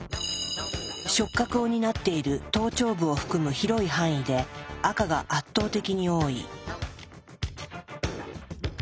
触覚を担っている頭頂部を含む広い範囲で赤が圧倒的に多い。